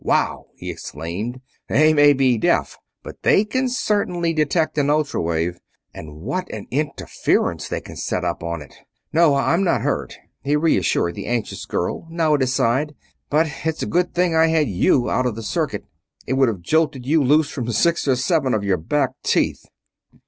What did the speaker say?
"Wow!" he exclaimed. "They may be deaf, but they can certainly detect an ultra wave, and what an interference they can set up on it! No, I'm not hurt," he reassured the anxious girl, now at his side, "but it's a good thing I had you out of circuit it would have jolted you loose from six or seven of your back teeth."